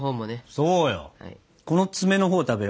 そうよ。